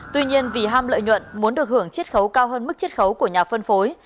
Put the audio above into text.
tuy nhiên vì ham lợi nhuận muốn được hưởng chất khấu cao hơn mức chất khấu của nhà phân phối